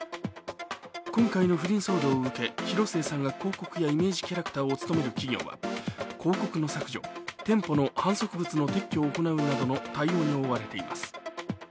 今回の不倫騒動を受け、広末さんが広告やイメージキャラクターを務める企業は広告の削除、店舗の販促物の撤去を行うなどの対応に追われています。